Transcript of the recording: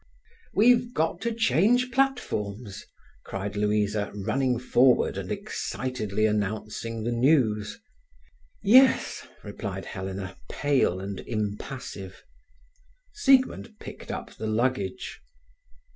"We've got to change platforms," cried Louisa, running forward and excitedly announcing the news. "Yes," replied Helena, pale and impassive. Siegmund picked up the luggage.